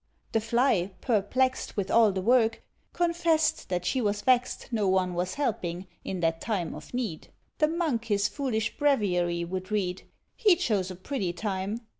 The Fly, perplexed With all the work, confessed that she was vexed No one was helping, in that time of need. The monk his foolish breviary would read: He chose a pretty time!